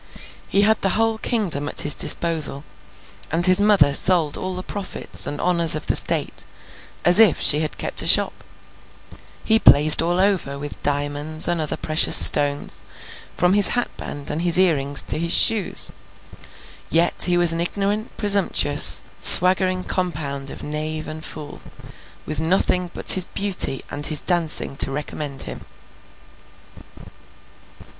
He had the whole kingdom at his disposal, and his mother sold all the profits and honours of the State, as if she had kept a shop. He blazed all over with diamonds and other precious stones, from his hatband and his earrings to his shoes. Yet he was an ignorant presumptuous, swaggering compound of knave and fool, with nothing but his beauty and his dancing to recommend him.